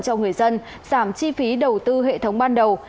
cho người dân giảm chi phí đầu tư hệ thống ban đầu